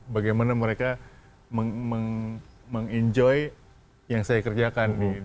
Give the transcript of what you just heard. bagaimana mereka mengejoy yang saya kerjakan